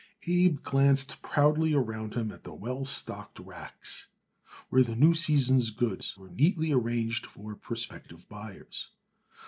Abe glanced proudly around him at the well stocked racks, where the new season's goods were neatly arranged for prospective buyers.